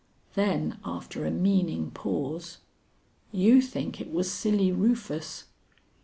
Then, after a meaning pause: "You think it was Silly Rufus."